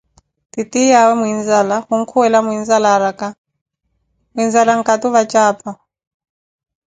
Titiyawe muinzala khunkhuwela muinzala arakah, muinzala nkatu vatjaapha